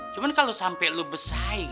cuma kalo sampe lu bersaing